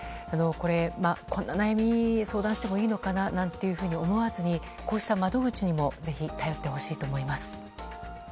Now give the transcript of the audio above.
こんな悩みを相談してもいいのかななんていうふうに思わずに、こうした窓口にもぜひ頼ってほしいと思います。